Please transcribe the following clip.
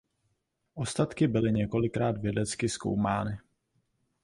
Ostatky byly několikrát vědecky zkoumány.